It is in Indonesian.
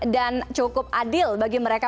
dan cukup adil bagi mereka